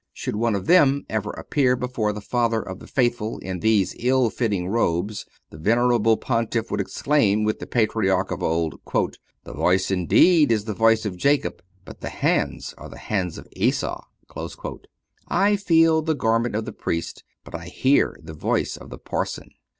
Should one of them ever appear before the Father of the faithful in these ill fitting robes the venerable Pontiff would exclaim, with the Patriarch of old: "The voice indeed is the voice of Jacob, but the hands are the hands of Esau." I feel the garment of the Priest, but I hear the voice of the parson.